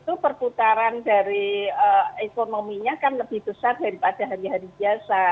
itu perputaran dari ekonominya kan lebih besar daripada hari hari biasa